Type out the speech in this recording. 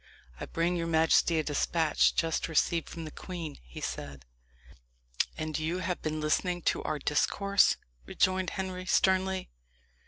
"I bring your majesty a despatch, just received from the queen," he said. "And you have been listening to our discourse?" rejoined Henry sternly.